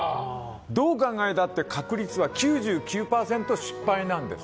どう考えたって確率は９９％失敗なんです。